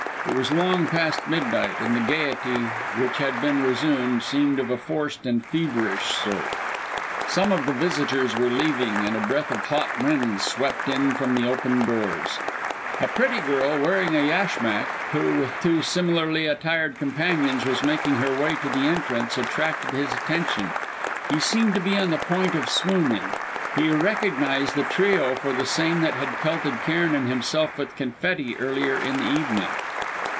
It was long past midnight, and the gaiety, which had been resumed, seemed of a forced and feverish sort. Some of the visitors were leaving, and a breath of hot wind swept in from the open doors. A pretty girl wearing a yashmak, who, with two similarly attired companions, was making her way to the entrance, attracted his attention; she seemed to be on the point of swooning. He recognised the trio for the same that had pelted Cairn and himself with confetti earlier in the evening.